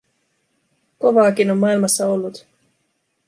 Kovaakin on maailmassa ollut.